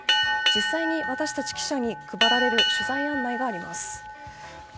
実際に私たち記者に配られる取材案内があります。